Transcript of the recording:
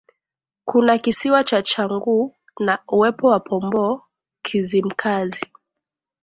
Kuna kisiwa cha changuu na uwepo wa pomboo kizimkazi